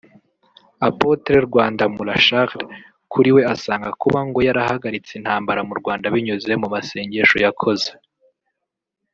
Apotre Rwandamura Charles kuri we asanga kuba ngo yarahagaritse intambara mu Rwanda binyuze mu masengesho yakoze